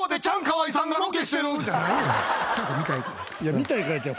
見たいからちゃう。